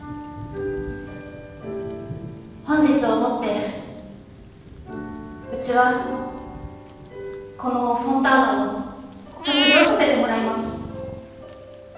本日をもってうちはこのフォンターナを卒業させてもらいます。